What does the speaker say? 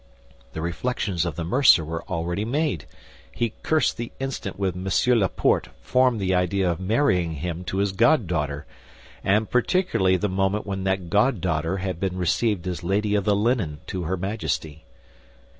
The reflections of the mercer were already made; he cursed the instant when M. Laporte formed the idea of marrying him to his goddaughter, and particularly the moment when that goddaughter had been received as Lady of the Linen to her Majesty.